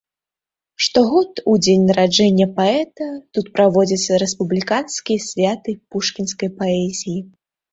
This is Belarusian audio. Штогод у дзень нараджэння паэта тут праводзяцца рэспубліканскія святы пушкінскай паэзіі.